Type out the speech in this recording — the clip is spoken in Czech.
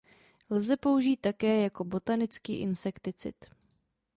Lze použít také jako botanický insekticid.